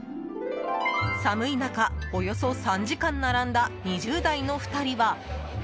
寒い中、およそ３時間並んだ２０代の２人は。